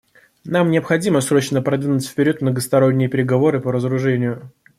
Нам необходимо срочно продвинуть вперед многосторонние переговоры по разоружению.